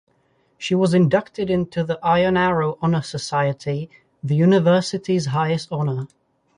She was inducted into the Iron Arrow Honor Society, the university's highest honor.